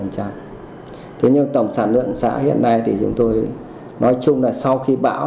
thế nhưng tổng sản lượng xã hiện nay thì chúng tôi nói chung là sau khi bão